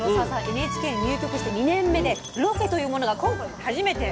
ＮＨＫに入局して２年目でロケというものが今回初めてなんです。